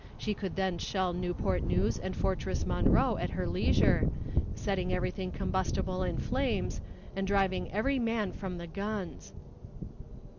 She could then shell Newport News and Fortress Monroe at her leisure, setting everything combustible in flames, and driving every man from the guns.